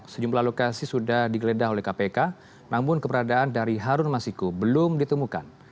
sejumlah lokasi sudah digeledah oleh kpk namun keberadaan dari harun masiku belum ditemukan